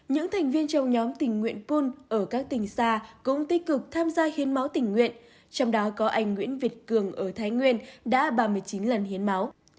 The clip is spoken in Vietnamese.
những thành viên trong nhóm tình nguyện pul ở các tỉnh xa cũng tích cực tham gia hiến máu tình nguyện trong đó có anh nguyễn việt cường ở thái nguyên đã ba mươi chín lần hiến máu